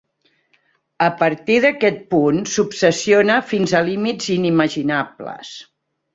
A partir d'aquest punt, s'obsessiona fins a límits inimaginables.